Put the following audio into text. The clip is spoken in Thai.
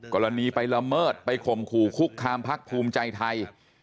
กรณีไปละเมิดไปข่มขู่คุกคามพักภูมิใจไทย